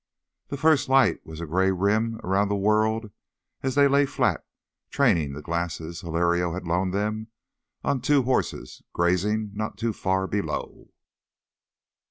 The first light was a gray rim around the world as they lay flat, training the glasses Hilario had loaned them on two horses grazing not too far below.